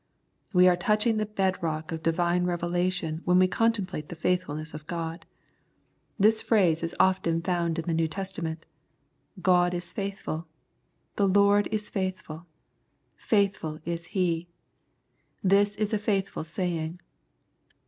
We are touching the bed rock of Divine revelation when we contemplate the faithfulness of God. This 25 The Prayers of St. Paul phrase is often found in the New Testament :" God is faithful." " The Lord is faithful." "Faithful is He." "This is a faithful saying."